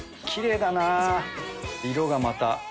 きれいだな色がまた。